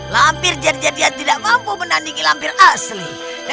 lampir jadian jadian tidak mampu menandingi lampir asli